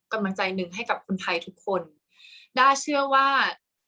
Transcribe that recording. กำลังใจหนึ่งให้กับคนไทยทุกคนด้าเชื่อว่า